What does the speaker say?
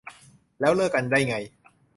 แล้วเลิกกันได้ไง